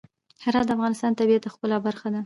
هرات د افغانستان د طبیعت د ښکلا برخه ده.